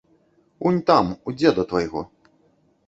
Унь там, у дзеда твайго.